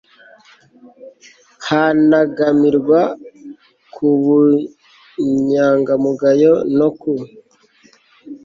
hanaganirwa ku bunyangamugayo no ku